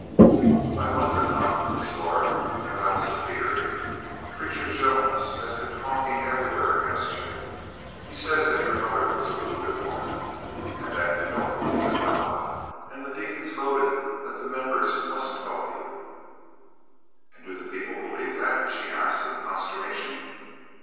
"I wanted to come, Miss Zora, but I was afeared. Preacher Jones has been talking everywhere against you. He says that your mother was a voodoo woman and that you don't believe in God, and the deacons voted that the members mustn't help you." "And do the people believe that?" she asked in consternation.